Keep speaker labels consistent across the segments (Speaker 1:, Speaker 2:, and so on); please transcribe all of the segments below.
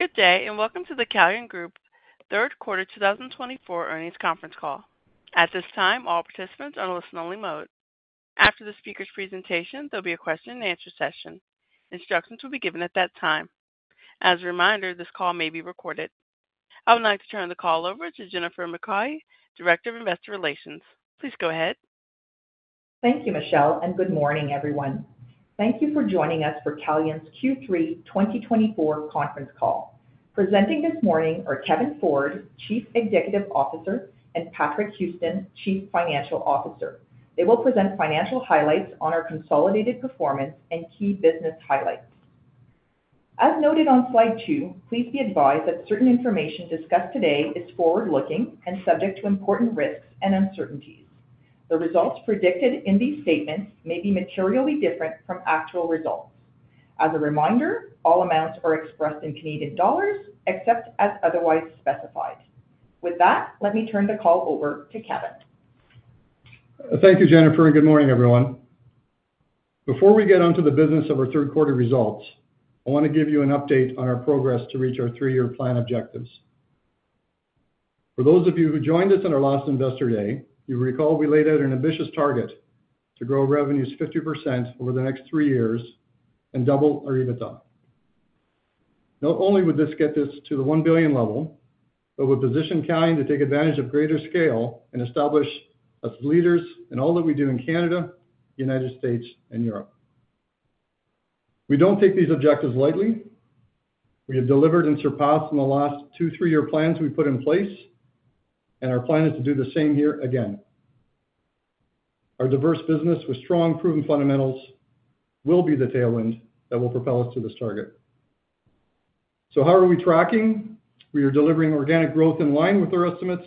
Speaker 1: Good day, and welcome to the Calian Group Third Quarter 2024 Earnings Conference Call. At this time, all participants are in listen-only mode. After the speaker's presentation, there'll be a question-and-answer session. Instructions will be given at that time. As a reminder, this call may be recorded. I would now like to turn the call over to Jennifer McKay, Director of Investor Relations. Please go ahead.
Speaker 2: Thank you, Michelle, and good morning, everyone. Thank you for joining us for Calian's Q3 2024 conference call. Presenting this morning are Kevin Ford, Chief Executive Officer, and Patrick Houston, Chief Financial Officer. They will present financial highlights on our consolidated performance and key business highlights. As noted on slide two, please be advised that certain information discussed today is forward-looking and subject to important risks and uncertainties. The results predicted in these statements may be materially different from actual results. As a reminder, all amounts are expressed in Canadian dollars, except as otherwise specified. With that, let me turn the call over to Kevin.
Speaker 3: Thank you, Jennifer, and good morning, everyone. Before we get onto the business of our third quarter results, I wanna give you an update on our progress to reach our three-year plan objectives. For those of you who joined us on our last Investor Day, you recall we laid out an ambitious target to grow revenues 50% over the next three years and double our EBITDA. Not only would this get this to the 1 billion level, but would position Calian to take advantage of greater scale and establish us as leaders in all that we do in Canada, United States, and Europe. We don't take these objectives lightly. We have delivered and surpassed in the last two three-year plans we put in place, and our plan is to do the same here again. Our diverse business with strong, proven fundamentals will be the tailwind that will propel us to this target. So how are we tracking? We are delivering organic growth in line with our estimates,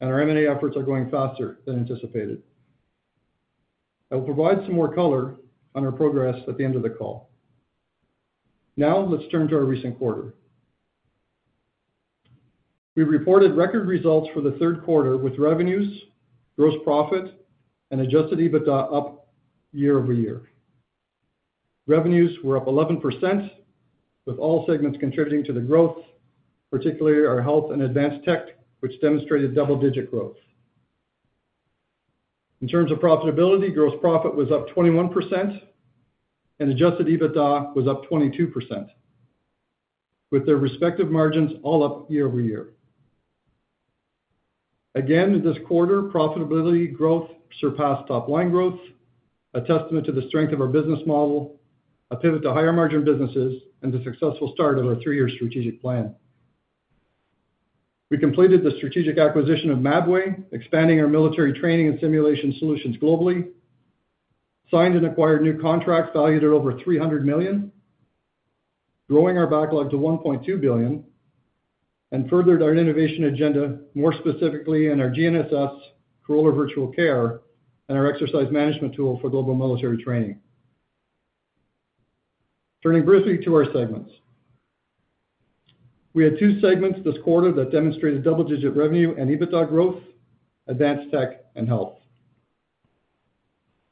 Speaker 3: and our M&A efforts are going faster than anticipated. I will provide some more color on our progress at the end of the call. Now, let's turn to our recent quarter. We reported record results for the third quarter, with revenues, gross profit, and adjusted EBITDA up year-over-year. Revenues were up 11%, with all segments contributing to the growth, particularly our health and advanced tech, which demonstrated double-digit growth. In terms of profitability, gross profit was up 21% and adjusted EBITDA was up 22%, with their respective margins all up year-over-year. Again, this quarter, profitability growth surpassed top-line growth, a testament to the strength of our business model, a pivot to higher-margin businesses, and the successful start of our three-year strategic plan. We completed the strategic acquisition of Mabway, expanding our military training and simulation solutions globally, signed and acquired new contracts valued at over 300 million, growing our backlog to 1.2 billion, and furthered our innovation agenda, more specifically in our GNSS, Corolar Virtual Care and our exercise management tool for global military training. Turning briefly to our segments. We had two segments this quarter that demonstrated double-digit revenue and EBITDA growth, advanced tech and health.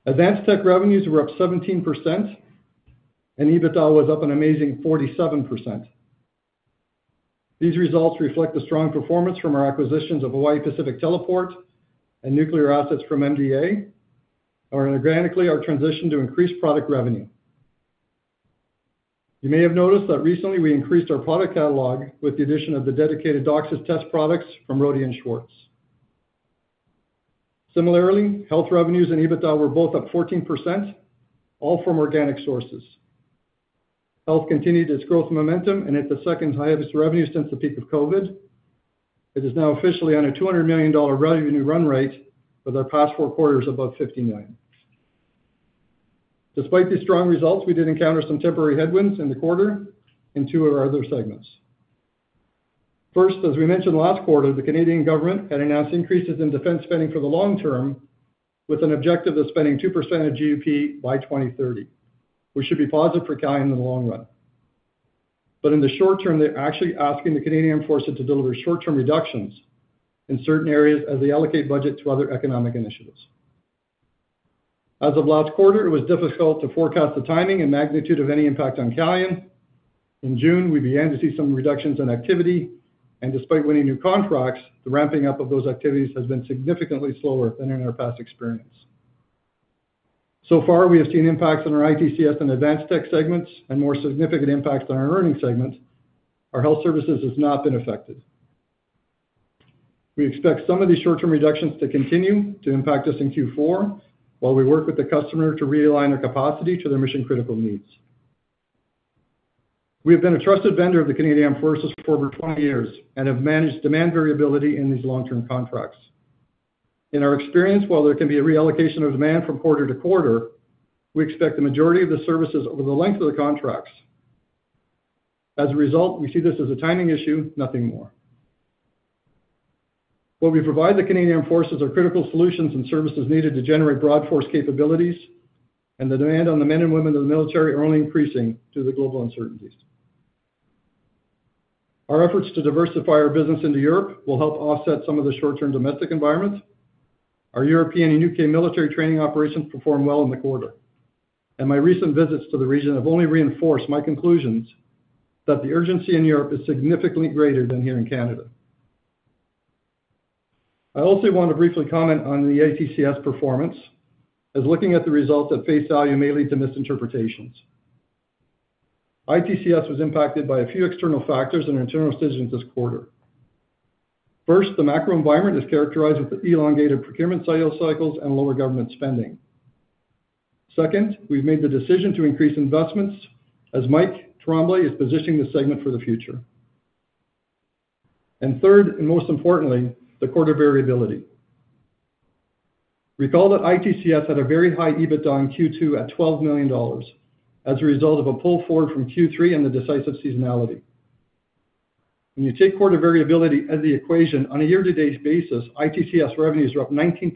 Speaker 3: Advanced tech revenues were up 17%, and EBITDA was up an amazing 47%. These results reflect the strong performance from our acquisitions of Hawaii Pacific Teleport and nuclear assets from MDA, and organically, our transition to increased product revenue. You may have noticed that recently we increased our product catalog with the addition of the dedicated DOCSIS test products from Rohde & Schwarz. Similarly, health revenues and EBITDA were both up 14%, all from organic sources. Health continued its growth momentum and hit the second-highest revenue since the peak of COVID. It is now officially on a 200 million dollar revenue run rate, with our past four quarters above 50 million. Despite these strong results, we did encounter some temporary headwinds in the quarter in two of our other segments. First, as we mentioned last quarter, the Canadian government had announced increases in defense spending for the long term, with an objective of spending 2% of GDP by 2030, which should be positive for Calian in the long run. In the short term, they're actually asking the Canadian Forces to deliver short-term reductions in certain areas as they allocate budget to other economic initiatives. As of last quarter, it was difficult to forecast the timing and magnitude of any impact on Calian. In June, we began to see some reductions in activity, and despite winning new contracts, the ramping up of those activities has been significantly slower than in our past experience. So far, we have seen impacts on our ITCS and advanced tech segments and more significant impacts on our learning segment. Our health services has not been affected. We expect some of these short-term reductions to continue to impact us in Q4, while we work with the customer to realign their capacity to their mission-critical needs. We have been a trusted vendor of the Canadian Forces for over 20 years and have managed demand variability in these long-term contracts. In our experience, while there can be a reallocation of demand from quarter to quarter, we expect the majority of the services over the length of the contracts. As a result, we see this as a timing issue, nothing more. What we provide the Canadian Forces are critical solutions and services needed to generate broad force capabilities, and the demand on the men and women of the military are only increasing due to the global uncertainties. Our efforts to diversify our business into Europe will help offset some of the short-term domestic environments... Our European and UK military training operations performed well in the quarter, and my recent visits to the region have only reinforced my conclusions that the urgency in Europe is significantly greater than here in Canada. I also want to briefly comment on the ITCS performance, as looking at the results at face value may lead to misinterpretations. ITCS was impacted by a few external factors and internal decisions this quarter. First, the macro environment is characterized with the elongated procurement cycle, cycles, and lower government spending. Second, we've made the decision to increase investments as Mike Tremblay is positioning the segment for the future. And third, and most importantly, the quarter variability. Recall that ITCS had a very high EBITDA in Q2 at 12 million dollars, as a result of a pull forward from Q3 and the decisive seasonality. When you take quarter variability out of the equation, on a year-to-date basis, ITCS revenues are up 19%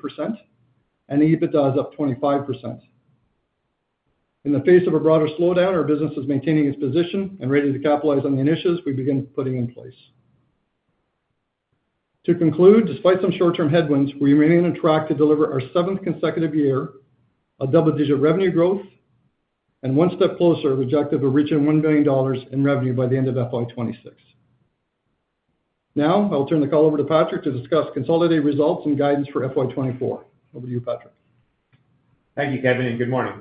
Speaker 3: and EBITDA is up 25%. In the face of a broader slowdown, our business is maintaining its position and ready to capitalize on the initiatives we begin putting in place. To conclude, despite some short-term headwinds, we remain on track to deliver our seventh consecutive year of double-digit revenue growth and one step closer to our objective of reaching 1 billion dollars in revenue by the end of FY 2026. Now, I will turn the call over to Patrick to discuss consolidated results and guidance for FY 2024. Over to you, Patrick.
Speaker 4: Thank you, Kevin, and good morning.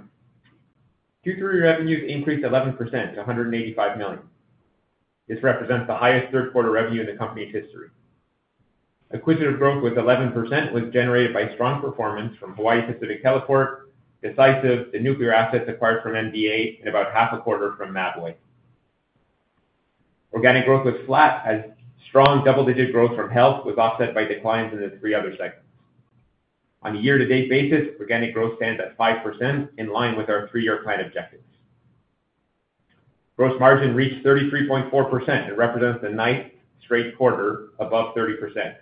Speaker 4: Q3 revenues increased 11% to 185 million. This represents the highest third quarter revenue in the company's history. Acquisitive growth with 11% was generated by strong performance from Hawaii Pacific Teleport, Decisive, the nuclear assets acquired from MDA, and about half a quarter from Mabway. Organic growth was flat, as strong double-digit growth from health was offset by declines in the three other segments. On a year-to-date basis, organic growth stands at 5%, in line with our three-year plan objectives. Gross margin reached 33.4% and represents the ninth straight quarter above 30%.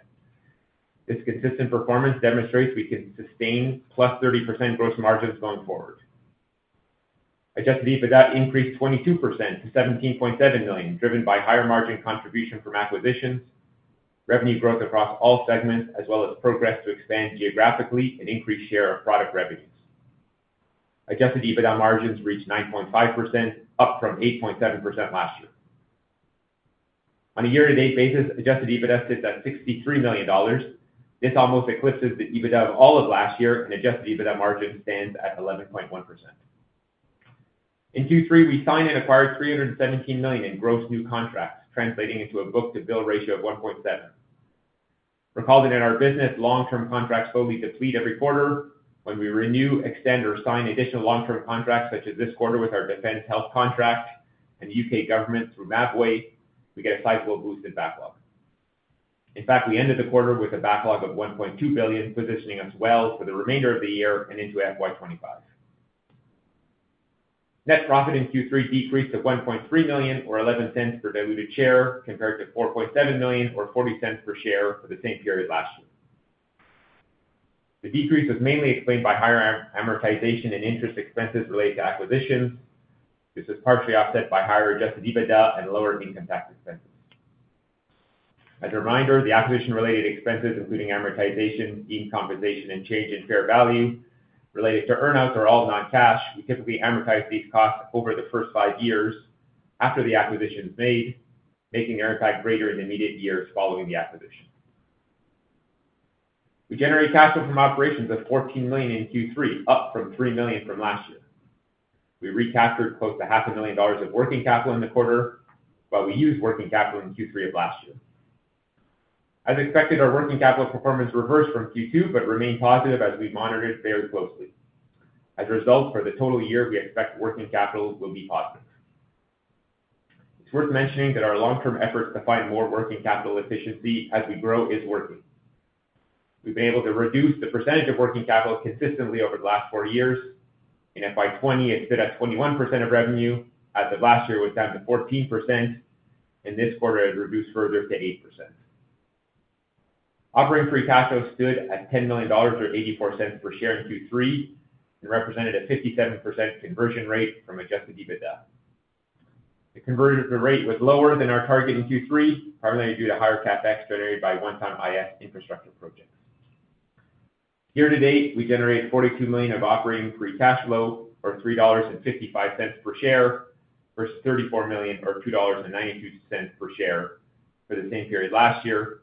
Speaker 4: This consistent performance demonstrates we can sustain +30% gross margins going forward. Adjusted EBITDA increased 22% to 17.7 million, driven by higher margin contribution from acquisitions, revenue growth across all segments, as well as progress to expand geographically and increase share of product revenues. Adjusted EBITDA margins reached 9.5%, up from 8.7% last year. On a year-to-date basis, adjusted EBITDA sits at 63 million dollars. This almost eclipses the EBITDA of all of last year, and adjusted EBITDA margin stands at 11.1%. In Q3, we signed and acquired 317 million in gross new contracts, translating into a book-to-bill ratio of 1.7. Recalled that in our business, long-term contracts slowly deplete every quarter. When we renew, extend, or sign additional long-term contracts, such as this quarter with our defense health contract and the UK government through Mabway, we get a cyclical boost in backlog. In fact, we ended the quarter with a backlog of 1.2 billion, positioning us well for the remainder of the year and into FY 2025. Net profit in Q3 decreased to 1.3 million, or 0.11 per diluted share, compared to 4.7 million, or 0.40 per share, for the same period last year. The decrease was mainly explained by higher amortization and interest expenses related to acquisitions. This is partially offset by higher Adjusted EBITDA and lower income tax expenses. As a reminder, the acquisition-related expenses, including amortization, gain compensation, and change in fair value related to earn-outs, are all non-cash. We typically amortize these costs over the first five years after the acquisition is made, making the impact greater in the immediate years following the acquisition. We generate cash flow from operations of 14 million in Q3, up from 3 million from last year. We recaptured close to 500,000 dollars of working capital in the quarter, while we used working capital in Q3 of last year. As expected, our working capital performance reversed from Q2, but remained positive as we monitor it very closely. As a result, for the total year, we expect working capital will be positive. It's worth mentioning that our long-term efforts to find more working capital efficiency as we grow is working. We've been able to reduce the percentage of working capital consistently over the last 4 years. In FY 2020, it stood at 21% of revenue. As of last year, it was down to 14%, and this quarter, it reduced further to 8%. Operating free cash flow stood at 10 million dollars, or 0.84 per share in Q3, and represented a 57% conversion rate from adjusted EBITDA. The conversion rate was lower than our target in Q3, primarily due to higher CapEx generated by one-time IT infrastructure projects. Year to date, we generated 42 million of operating free cash flow, or 3.55 dollars per share, versus 34 million or 2.92 dollars per share for the same period last year.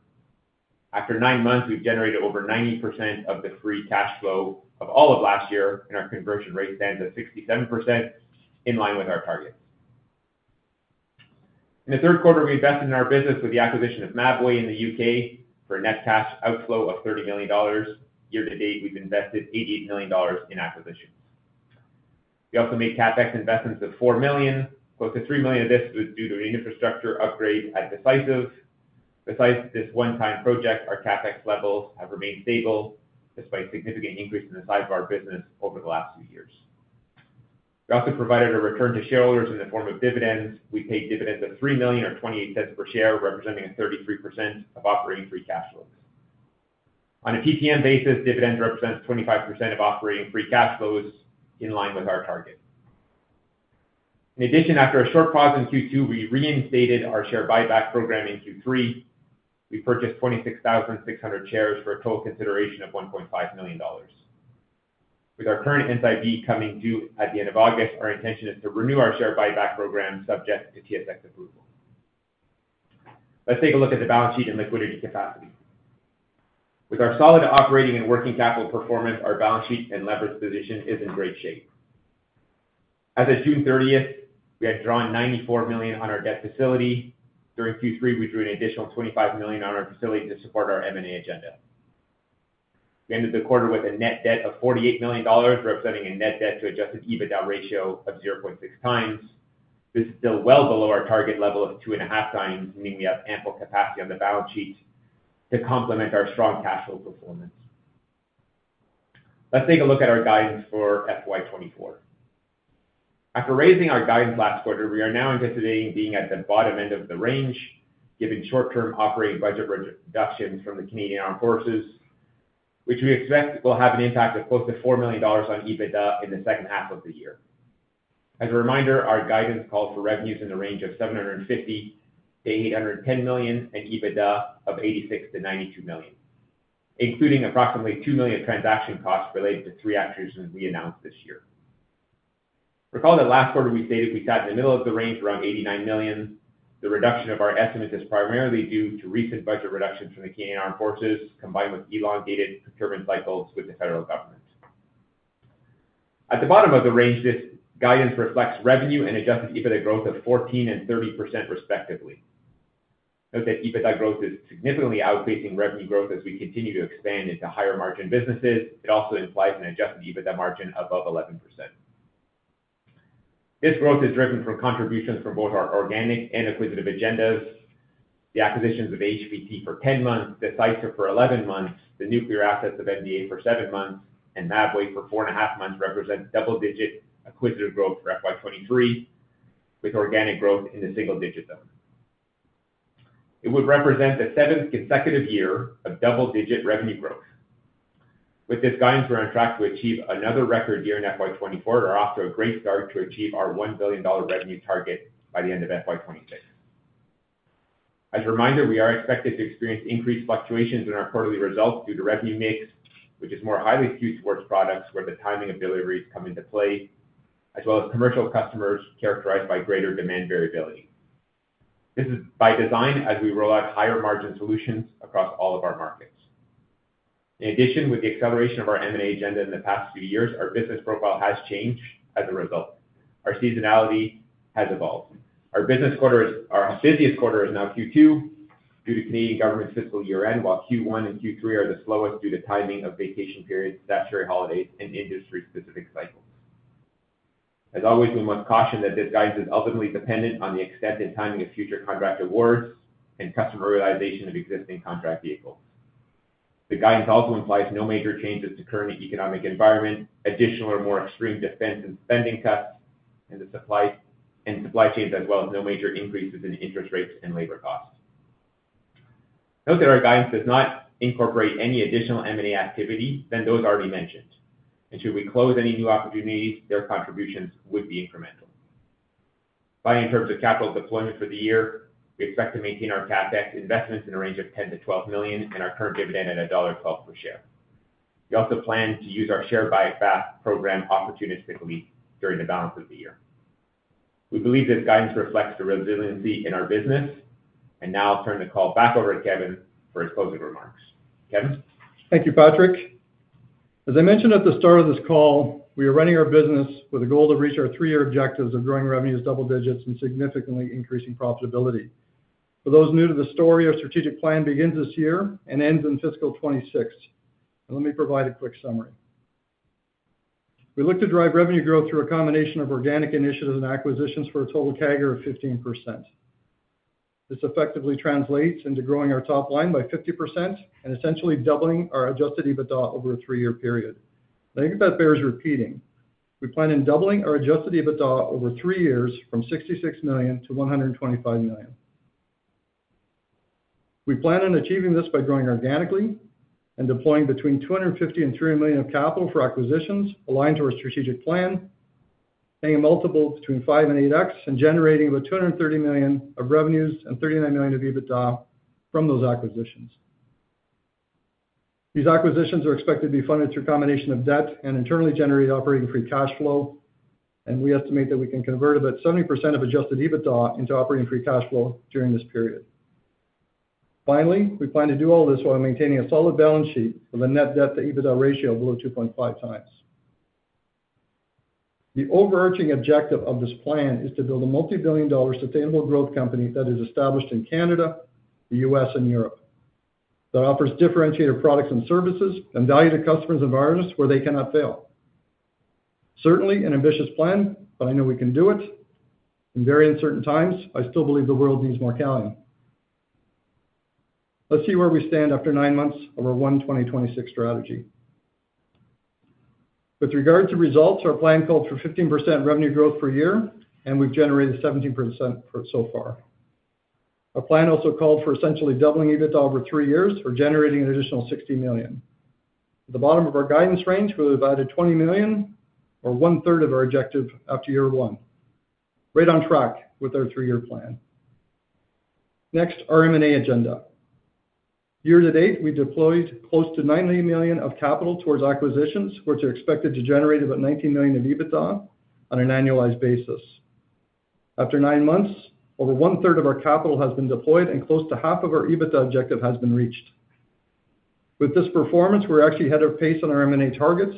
Speaker 4: After nine months, we've generated over 90% of the free cash flow of all of last year, and our conversion rate stands at 67%, in line with our targets. In the third quarter, we invested in our business with the acquisition of Mabway in the UK for a net cash outflow of 30 million dollars. Year to date, we've invested 88 million dollars in acquisitions. We also made CapEx investments of 4 million. Close to 3 million of this was due to an infrastructure upgrade at Decisive. Besides this one-time project, our CapEx levels have remained stable, despite significant increase in the size of our business over the last few years. We also provided a return to shareholders in the form of dividends. We paid dividends of 3 million, or 0.28 per share, representing 33% of operating free cash flows. On a TTM basis, dividends represent 25% of operating free cash flows in line with our target. In addition, after a short pause in Q2, we reinstated our share buyback program in Q3. We purchased 26,600 shares for a total consideration of 1.5 million dollars. With our current NCIB coming due at the end of August, our intention is to renew our share buyback program, subject to TSX approval. Let's take a look at the balance sheet and liquidity capacity. With our solid operating and working capital performance, our balance sheet and leverage position is in great shape. As of June 30, we had drawn 94 million on our debt facility. During Q3, we drew an additional 25 million on our facility to support our M&A agenda. We ended the quarter with a net debt of 48 million dollars, representing a net debt to adjusted EBITDA ratio of 0.6x. This is still well below our target level of 2.5x, meaning we have ample capacity on the balance sheet to complement our strong cash flow performance. Let's take a look at our guidance for FY 2024. After raising our guidance last quarter, we are now anticipating being at the bottom end of the range, given short-term operating budget reductions from the Canadian Armed Forces, which we expect will have an impact of close to 4 million dollars on EBITDA in the second half of the year. As a reminder, our guidance called for revenues in the range of 750 million-810 million, and EBITDA of 86 million-92 million, including approximately 2 million transaction costs related to three acquisitions we announced this year. Recall that last quarter, we stated we sat in the middle of the range, around 89 million. The reduction of our estimate is primarily due to recent budget reductions from the Canadian Armed Forces, combined with elongated procurement cycles with the federal government. At the bottom of the range, this guidance reflects revenue and adjusted EBITDA growth of 14% and 30% respectively. Note that EBITDA growth is significantly outpacing revenue growth as we continue to expand into higher-margin businesses. It also implies an adjusted EBITDA margin above 11%. This growth is driven from contributions from both our organic and acquisitive agendas. The acquisitions of HPT for 10 months, Decisive for 11 months, the nuclear assets of MDA for 7 months, and Mabway for 4.5 months, represent double-digit acquisitive growth for FY 2023, with organic growth in the single-digit zone. It would represent the seventh consecutive year of double-digit revenue growth. With this guidance, we're on track to achieve another record year in FY 2024 and are off to a great start to achieve our 1 billion dollar revenue target by the end of FY 2026. As a reminder, we are expected to experience increased fluctuations in our quarterly results due to revenue mix, which is more highly skewed towards products where the timing of deliveries come into play, as well as commercial customers characterized by greater demand variability. This is by design as we roll out higher-margin solutions across all of our markets. In addition, with the acceleration of our M&A agenda in the past few years, our business profile has changed as a result. Our seasonality has evolved. Our busiest quarter is now Q2 due to Canadian government's fiscal year-end, while Q1 and Q3 are the slowest due to timing of vacation periods, statutory holidays, and industry-specific cycles. As always, we must caution that this guidance is ultimately dependent on the extent and timing of future contract awards and customer realization of existing contract vehicles. The guidance also implies no major changes to current economic environment, additional or more extreme defense and spending cuts in supply chains, as well as no major increases in interest rates and labor costs. Note that our guidance does not incorporate any additional M&A activity than those already mentioned, and should we close any new opportunities, their contributions would be incremental. Finally, in terms of capital deployment for the year, we expect to maintain our CapEx investments in a range of 10 million-12 million and our current dividend at dollar 1.12 per share. We also plan to use our share buyback program opportunistically during the balance of the year. We believe this guidance reflects the resiliency in our business, and now I'll turn the call back over to Kevin for his closing remarks. Kevin?
Speaker 3: Thank you, Patrick. As I mentioned at the start of this call, we are running our business with a goal to reach our three-year objectives of growing revenues double digits and significantly increasing profitability. For those new to the story, our strategic plan begins this year and ends in fiscal 2026. Let me provide a quick summary. We look to drive revenue growth through a combination of organic initiatives and acquisitions for a total CAGR of 15%. This effectively translates into growing our top line by 50% and essentially doubling our adjusted EBITDA over a three-year period. I think that bears repeating. We plan on doubling our adjusted EBITDA over three years from 66 million to 125 million. We plan on achieving this by growing organically and deploying between 250 million and 300 million of capital for acquisitions aligned to our strategic plan, paying a multiple between 5x and 8x, and generating about 230 million of revenues and 39 million of EBITDA from those acquisitions. These acquisitions are expected to be funded through a combination of debt and internally generated operating free cash flow, and we estimate that we can convert about 70% of adjusted EBITDA into operating free cash flow during this period. Finally, we plan to do all this while maintaining a solid balance sheet with a net debt-to-EBITDA ratio below 2.5x. The overarching objective of this plan is to build a multi-billion dollar sustainable growth company that is established in Canada, the U.S., and Europe, that offers differentiated products and services and value to customers of ours where they cannot fail. Certainly an ambitious plan, but I know we can do it. In very uncertain times, I still believe the world needs more Calian. Let's see where we stand after nine months of our One 2026 strategy. With regard to results, our plan called for 15% revenue growth per year, and we've generated 17% for it so far. Our plan also called for essentially doubling EBITDA over three years or generating an additional 60 million. At the bottom of our guidance range, we were about 20 million or one third of our objective after year one. Right on track with our three-year plan. Next, our M&A agenda. Year to date, we deployed close to 90 million of capital towards acquisitions, which are expected to generate about 19 million in EBITDA on an annualized basis. After nine months, over one-third of our capital has been deployed and close to half of our EBITDA objective has been reached. With this performance, we're actually ahead of pace on our M&A targets,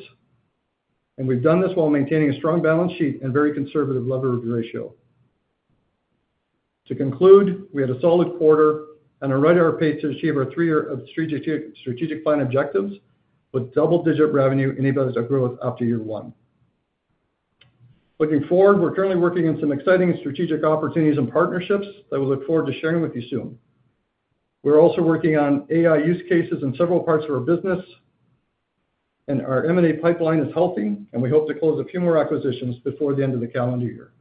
Speaker 3: and we've done this while maintaining a strong balance sheet and very conservative leverage ratio. To conclude, we had a solid quarter and are right on our pace to achieve our three-year strategic plan objectives, with double-digit revenue and EBITDA growth after year one. Looking forward, we're currently working on some exciting strategic opportunities and partnerships that we look forward to sharing with you soon. We're also working on AI use cases in several parts of our business, and our M&A pipeline is healthy, and we hope to close a few more acquisitions before the end of the calendar year.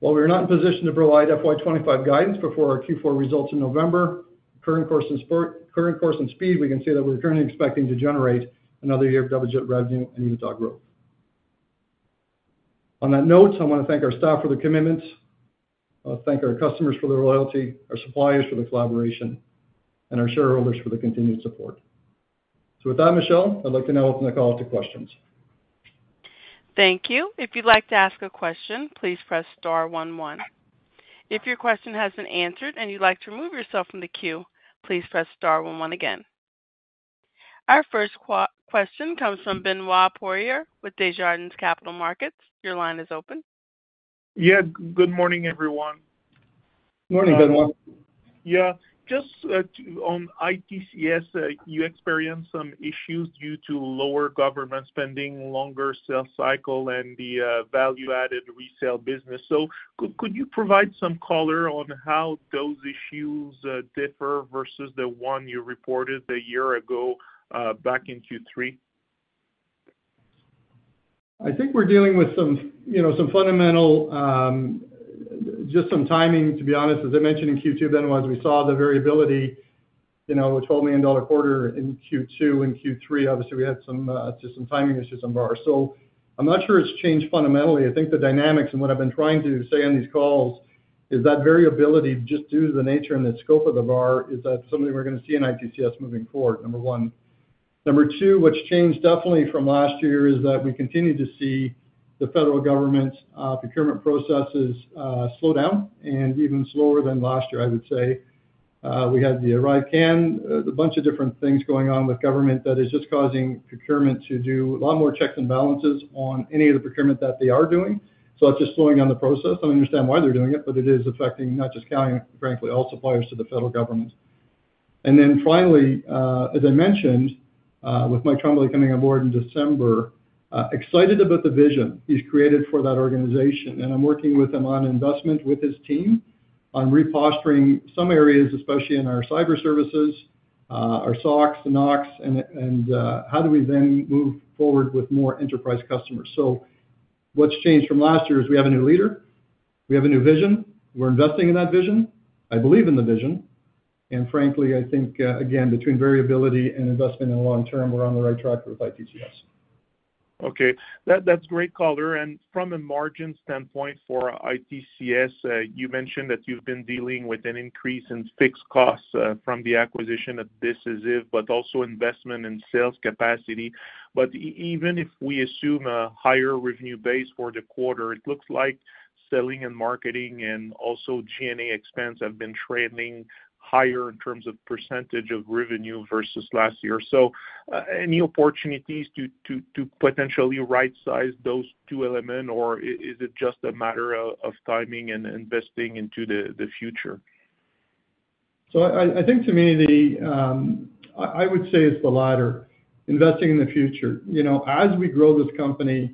Speaker 3: While we are not in a position to provide FY 25 guidance before our Q4 results in November, current course and speed, we can say that we're currently expecting to generate another year of double-digit revenue and EBITDA growth. On that note, I wanna thank our staff for their commitments. I wanna thank our customers for their loyalty, our suppliers for the collaboration, and our shareholders for the continued support. So with that, Michelle, I'd like to now open the call to questions.
Speaker 1: Thank you. If you'd like to ask a question, please press star one, one. If your question has been answered and you'd like to remove yourself from the queue, please press star one one again. Our first question comes from Benoit Poirier with Desjardins Capital Markets. Your line is open.
Speaker 5: Yeah. Good morning, everyone.
Speaker 3: Morning, Benoit.
Speaker 5: Yeah. Just, on ITCS, you experienced some issues due to lower government spending, longer sales cycle, and the value-added resale business. So could you provide some color on how those issues differ versus the one you reported a year ago, back in Q3?
Speaker 3: I think we're dealing with some, you know, some fundamental, just some timing, to be honest. As I mentioned in Q2, Benoit, we saw the variability, you know, a 12 million dollar quarter in Q2 and Q3. Obviously, we had some, just some timing issues on VAR. So I'm not sure it's changed fundamentally. I think the dynamics and what I've been trying to say on these calls is that variability, just due to the nature and the scope of the VAR, is that something we're gonna see in ITCS moving forward, number one. Number two, what's changed definitely from last year is that we continue to see the federal government's, procurement processes, slow down, and even slower than last year, I would say. We had the ArriveCAN, a bunch of different things going on with government that is just causing procurement to do a lot more checks and balances on any of the procurement that they are doing. So that's just slowing down the process. I don't understand why they're doing it, but it is affecting not just Calian, frankly, all suppliers to the federal government. And then finally, as I mentioned, with Mike Tremblay coming on board in December, excited about the vision he's created for that organization, and I'm working with him on investment with his team on repostering some areas, especially in our cyber services, our SOCs and NOCs, and, and how do we then move forward with more enterprise customers. So what's changed from last year is we have a new leader, we have a new vision. We're investing in that vision. I believe in the vision, and frankly, I think, again, between variability and investment in the long term, we're on the right track with ITCS.
Speaker 5: Okay. That, that's great color. And from a margin standpoint for ITCS, you mentioned that you've been dealing with an increase in fixed costs from the acquisition of Decisive, but also investment in sales capacity. But even if we assume a higher revenue base for the quarter, it looks like selling and marketing and also G&A expense have been trending higher in terms of percentage of revenue versus last year. So, any opportunities to potentially rightsize those two elements, or is it just a matter of timing and investing into the future?
Speaker 3: So I think to me, I would say it's the latter, investing in the future. You know, as we grow this company,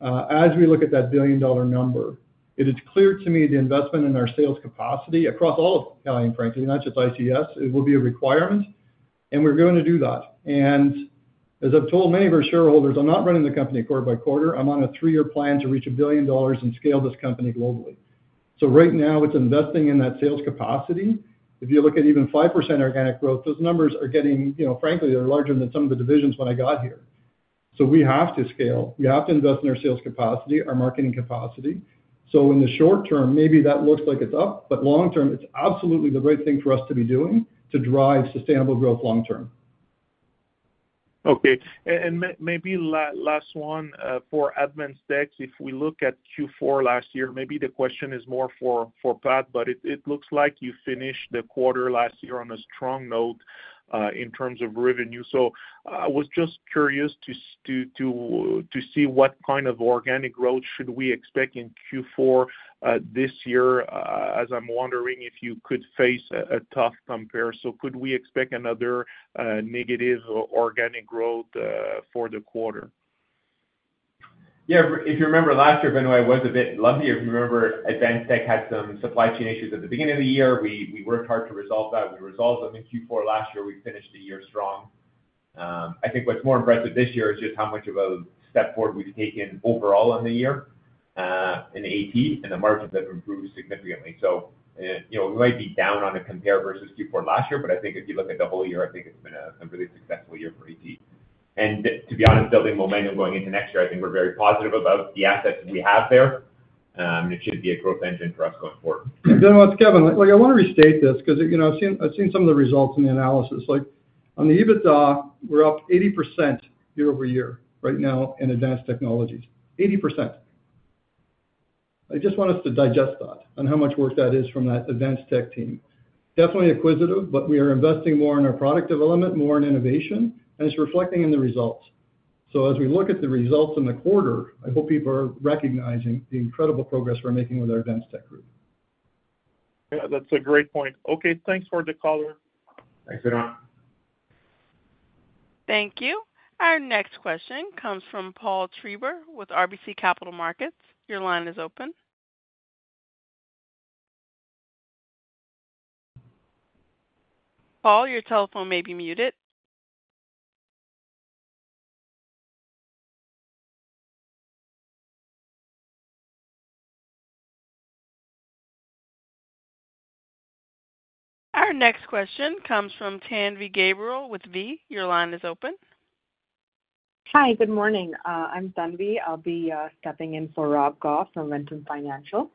Speaker 3: as we look at that billion-dollar number, it is clear to me the investment in our sales capacity across all of Calian, frankly, not just ITCS, it will be a requirement, and we're going to do that. And as I've told many of our shareholders, I'm not running the company quarter by quarter. I'm on a three-year plan to reach 1 billion dollars and scale this company globally. So right now, it's investing in that sales capacity. If you look at even 5% organic growth, those numbers are getting, you know, frankly, they're larger than some of the divisions when I got here. So we have to scale. We have to invest in our sales capacity, our marketing capacity. In the short term, maybe that looks like it's up, but long term, it's absolutely the right thing for us to be doing to drive sustainable growth long term.
Speaker 5: Okay, and maybe last one for Advanced Tech. If we look at Q4 last year, maybe the question is more for Pat, but it looks like you finished the quarter last year on a strong note in terms of revenue. So I was just curious to see what kind of organic growth should we expect in Q4 this year, as I'm wondering if you could face a tough compare. So could we expect another negative organic growth for the quarter?
Speaker 4: Yeah. If you remember last year, Benoit, it was a bit lucky. If you remember, Advanced Tech had some supply chain issues at the beginning of the year. We worked hard to resolve that. We resolved them in Q4 last year. We finished the year strong. I think what's more impressive this year is just how much of a step forward we've taken overall on the year, in AT, and the margins have improved significantly. So, you know, we might be down on a compare versus Q4 last year, but I think if you look at the whole year, I think it's been a really successful year for AT. And to be honest, building momentum going into next year, I think we're very positive about the assets that we have there, and it should be a growth engine for us going forward.
Speaker 3: And then, once, Kevin, look, I wanna restate this, because, you know, I've seen, I've seen some of the results in the analysis. Like, on the EBITDA, we're up 80% year-over-year right now in advanced technologies, 80%. I just want us to digest that and how much work that is from that advanced tech team. Definitely acquisitive, but we are investing more in our product development, more in innovation, and it's reflecting in the results. So as we look at the results in the quarter, I hope people are recognizing the incredible progress we're making with our advanced tech group. Yeah, that's a great point. Okay, thanks for the caller.
Speaker 4: Thanks, Benoit.
Speaker 1: Thank you. Our next question comes from Paul Treiber with RBC Capital Markets. Your line is open. Paul, your telephone may be muted. Our next question comes from Tanvi Gabriel with V. Your line is open.
Speaker 6: Hi, good morning. I'm Tanvi. I'll be stepping in for Rob Goff from Ventum Financial.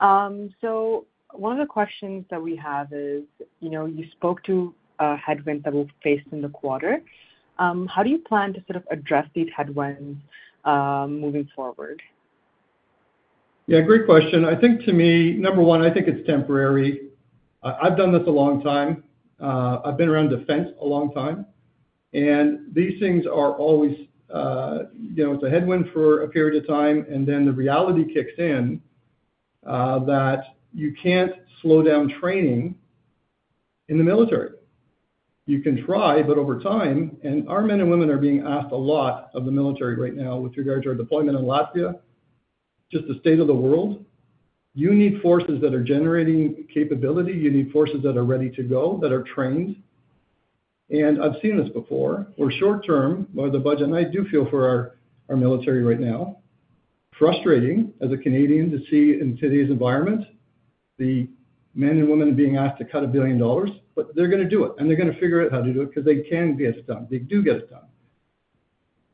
Speaker 6: So one of the questions that we have is, you know, you spoke to headwinds that were faced in the quarter. How do you plan to sort of address these headwinds moving forward?
Speaker 3: Yeah, great question. I think to me, number one, I think it's temporary. I've done this a long time. I've been around defense a long time, and these things are always, you know, it's a headwind for a period of time, and then the reality kicks in, that you can't slow down training in the military. You can try, but over time, and our men and women are being asked a lot of the military right now with regards to our deployment in Latvia, just the state of the world. You need forces that are generating capability. You need forces that are ready to go, that are trained, and I've seen this before. We're short term by the budget, and I do feel for our, our military right now. Frustrating as a Canadian to see in today's environment, the men and women are being asked to cut 1 billion dollars, but they're gonna do it, and they're gonna figure out how to do it because they can get it done. They do get it done.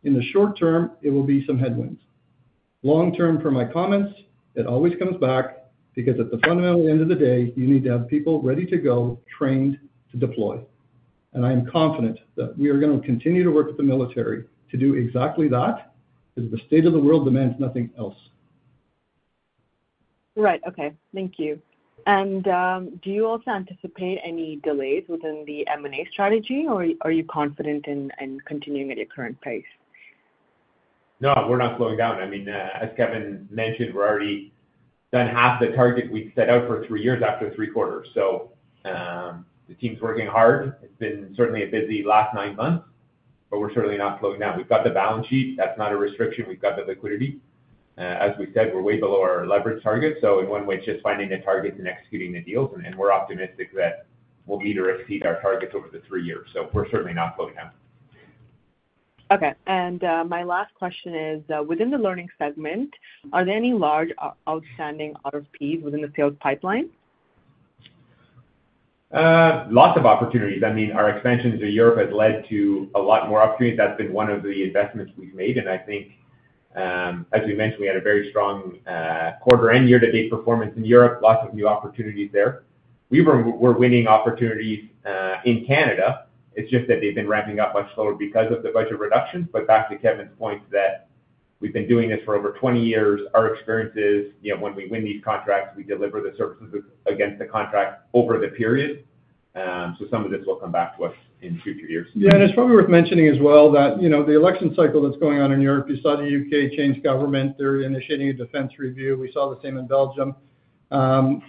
Speaker 3: In the short term, it will be some headwinds. Long term, from my comments, it always comes back, because at the fundamental end of the day, you need to have people ready to go, trained to deploy. And I am confident that we are gonna continue to work with the military to do exactly that, as the state of the world demands nothing else.
Speaker 6: Right. Okay, thank you. And, do you also anticipate any delays within the M&A strategy, or are you confident in continuing at your current pace?
Speaker 4: No, we're not slowing down. I mean, as Kevin mentioned, we're already done half the target we've set out for three years after three quarters. So, the team's working hard. It's been certainly a busy last nine months, but we're certainly not slowing down. We've got the balance sheet. That's not a restriction. We've got the liquidity. As we said, we're way below our leverage target, so in one way, just finding the targets and executing the deals, and we're optimistic that we'll be to exceed our targets over the three years. So we're certainly not slowing down.
Speaker 6: Okay, and my last question is within the learning segment, are there any large outstanding RFPs within the sales pipeline?
Speaker 4: Lots of opportunities. I mean, our expansion to Europe has led to a lot more opportunities. That's been one of the investments we've made, and I think, as we mentioned, we had a very strong quarter and year-to-date performance in Europe. Lots of new opportunities there. We're winning opportunities in Canada. It's just that they've been ramping up much slower because of the budget reductions. But back to Kevin's point, that we've been doing this for over 20 years. Our experience is, you know, when we win these contracts, we deliver the services against the contract over the period. So some of this will come back to us in future years.
Speaker 3: Yeah, and it's probably worth mentioning as well that, you know, the election cycle that's going on in Europe, you saw the UK change government. They're initiating a defense review. We saw the same in Belgium. You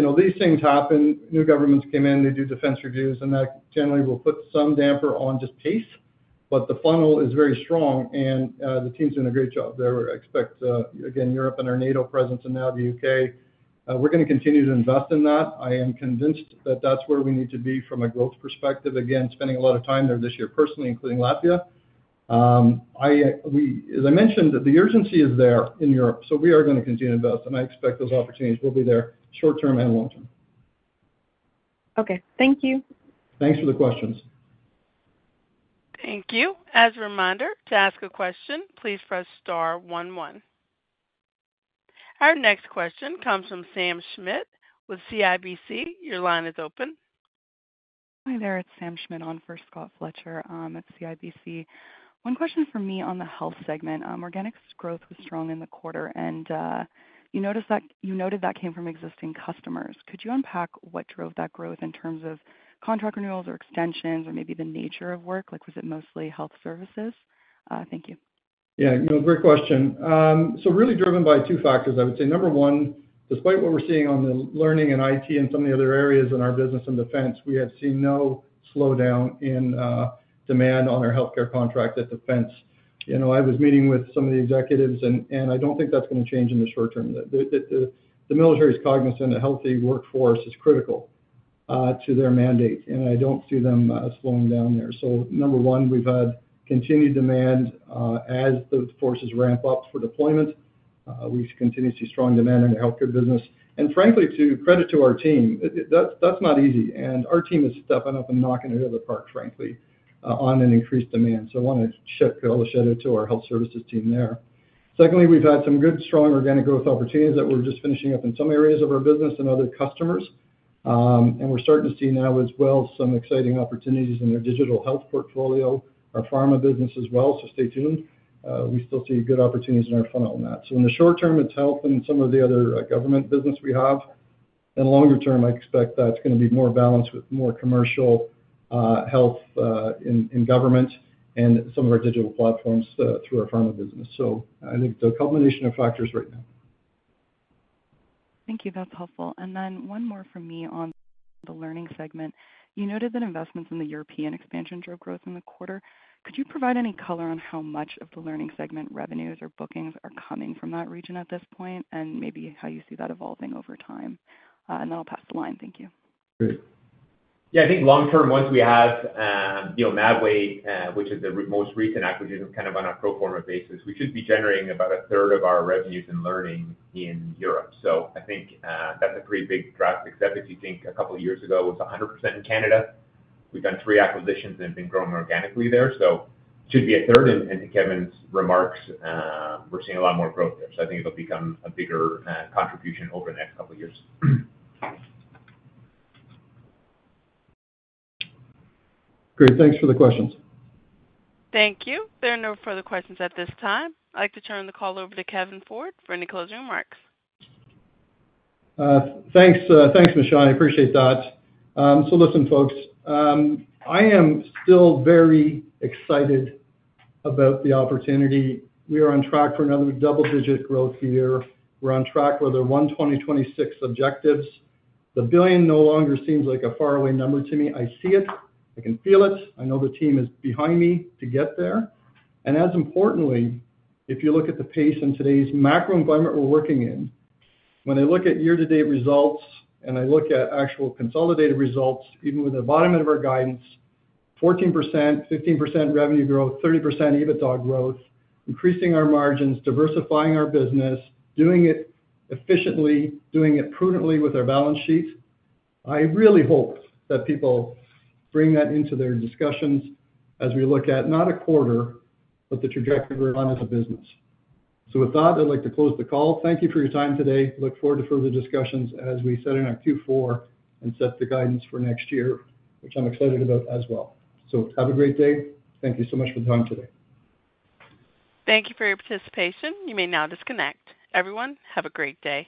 Speaker 3: know, these things happen. New governments come in, they do defense reviews, and that generally will put some damper on just pace, but the funnel is very strong and, the team's doing a great job there. I expect, again, Europe and our NATO presence, and now the UK, we're gonna continue to invest in that. I am convinced that that's where we need to be from a growth perspective. Again, spending a lot of time there this year, personally, including Latvia. We, as I mentioned, the urgency is there in Europe, so we are gonna continue to invest, and I expect those opportunities will be there short term and long term.
Speaker 6: Okay, thank you.
Speaker 3: Thanks for the questions.
Speaker 1: Thank you. As a reminder, to ask a question, please press star one, one. Our next question comes from Sam Schmidt with CIBC. Your line is open.
Speaker 7: Hi there, it's Sam Schmidt on for Scott Fletcher at CIBC. One question from me on the health segment. Organic growth was strong in the quarter, and you noted that came from existing customers. Could you unpack what drove that growth in terms of contract renewals or extensions or maybe the nature of work? Like, was it mostly health services? Thank you.
Speaker 3: Yeah, no, great question. So really driven by two factors, I would say. Number one, despite what we're seeing on the learning and IT and some of the other areas in our business and defense, we have seen no slowdown in demand on our healthcare contract at Defense. You know, I was meeting with some of the executives, and I don't think that's gonna change in the short term. The military is cognizant a healthy workforce is critical to their mandate, and I don't see them slowing down there. So number one, we've had continued demand as the forces ramp up for deployment. We continue to see strong demand in the healthcare business, and frankly, give credit to our team, that's not easy, and our team is stepping up and knocking it out of the park, frankly, on an increased demand. So I wanna give all the credit to our health services team there. Secondly, we've had some good, strong organic growth opportunities that we're just finishing up in some areas of our business and other customers. And we're starting to see now as well, some exciting opportunities in our digital health portfolio, our pharma business as well, so stay tuned. We still see good opportunities in our funnel on that. So in the short term, it's health and some of the other government business we have. In the longer term, I expect that's gonna be more balanced with more commercial health in government and some of our digital platforms through our pharma business. So I think it's a combination of factors right now.
Speaker 7: Thank you. That's helpful. And then one more from me on the learning segment. You noted that investments in the European expansion drove growth in the quarter. Could you provide any color on how much of the learning segment revenues or bookings are coming from that region at this point, and maybe how you see that evolving over time? And then I'll pass the line. Thank you.
Speaker 4: Great. Yeah, I think long term, once we have, you know, Mabway, which is the most recent acquisition, kind of on a pro forma basis, we should be generating about a third of our revenues in learning in Europe. So I think that's a pretty big drastic step, if you think a couple of years ago, it was 100% in Canada. We've done three acquisitions and have been growing organically there, so should be a third. And to Kevin's remarks, we're seeing a lot more growth there. So I think it'll become a bigger contribution over the next couple of years.
Speaker 3: Great. Thanks for the questions.
Speaker 1: Thank you. There are no further questions at this time. I'd like to turn the call over to Kevin Ford for any closing remarks.
Speaker 3: Thanks, Michelle, I appreciate that. So listen, folks, I am still very excited about the opportunity. We are on track for another double-digit growth year. We're on track for the 2026 objectives. The billion no longer seems like a faraway number to me. I see it, I can feel it. I know the team is behind me to get there. And as importantly, if you look at the pace in today's macro environment we're working in, when I look at year-to-date results and I look at actual consolidated results, even with the bottom end of our guidance, 14%-15% revenue growth, 30% EBITDA growth, increasing our margins, diversifying our business, doing it efficiently, doing it prudently with our balance sheet, I really hope that people bring that into their discussions as we look at not a quarter, but the trajectory we're on as a business. So with that, I'd like to close the call. Thank you for your time today. Look forward to further discussions as we set in our Q4 and set the guidance for next year, which I'm excited about as well. So have a great day. Thank you so much for the time today.
Speaker 1: Thank you for your participation. You may now disconnect. Everyone, have a great day.